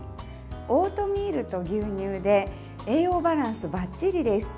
オートミールと牛乳で栄養バランスばっちりです。